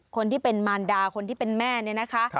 คนที่เป็นมารดาคนที่เป็นแม่เนี่ยนะคะ